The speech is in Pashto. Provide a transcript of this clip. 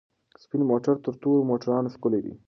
سپین موټر تر تورو موټرو ښکلی دی.